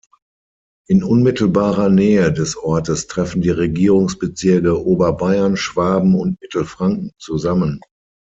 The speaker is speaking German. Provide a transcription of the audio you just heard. In unmittelbarer Nähe des Ortes treffen die Regierungsbezirke Oberbayern, Schwaben und Mittelfranken zusammen.